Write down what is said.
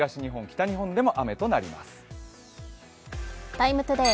「ＴＩＭＥ，ＴＯＤＡＹ」